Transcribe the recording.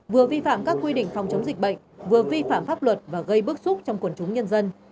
vừa vi phạm các quy định phòng chống dịch bệnh vừa vi phạm pháp luật và gây bức xúc trong quần chúng nhân dân